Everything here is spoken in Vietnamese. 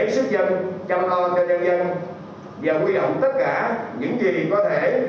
đồng thời phát động phong trào lấy sức dân chăm lo cho nhân dân và quy động tất cả những gì có thể